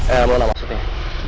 eh mona maksudnya